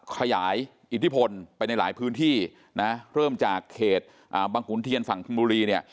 ขยายอิทธิพลไปในหลายพื้นที่นะเริ่มจากเขตบังขุนเทียนฝั่งธนบุรีเนี่ย